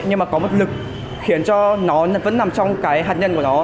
nhưng mà có một lực khiến cho nó vẫn nằm trong cái hạt nhân của nó